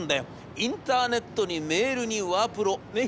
インターネットにメールにワープロねっ。